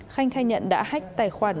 khanh khai nhận đã hách tài khoản